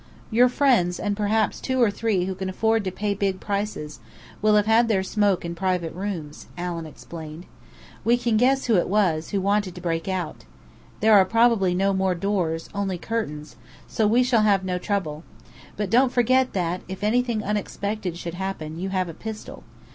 "Your friends, and perhaps two or three who can afford to pay big prices, will have had their smoke in private rooms," Allen explained. "We can guess who it was, who wanted to break out! There are probably no more doors, only curtains, so we shall have no trouble. But don't forget that, if anything unexpected should happen, you have a pistol.